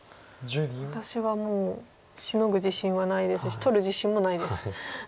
私はもうシノぐ自信はないですし取る自信もないです。